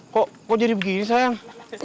kok mau jadi begini sayang